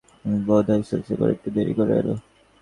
কুমু বোধ হয় একটু ইতস্তত করে একটু দেরি করেই এল।